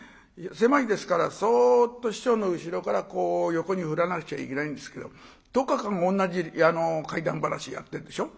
狭いですからそっと師匠の後ろからこう横に振らなくちゃいけないんですけど１０日間も同じ怪談噺やってるでしょ？